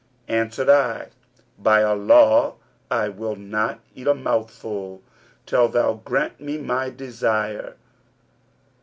Answered I, 'By Allah, I will not eat a mouthful, till thou grant me my desire.'